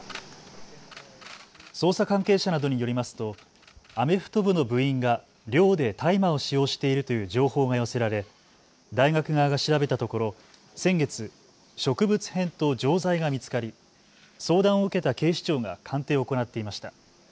捜査関係者などによりますとアメフト部の部員が寮で大麻を使用しているという情報が寄せられ大学側が調べたところ、先月、植物片と錠剤が見つかり相談を受けた警視庁が鑑定を行っていました。